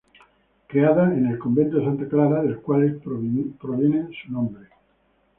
Creada en el convento de Santa Clara, del cual es proveniente su nombre.